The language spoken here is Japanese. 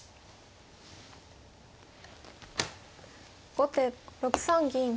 後手６三銀。